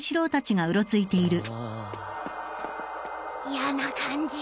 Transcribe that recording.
やな感じ！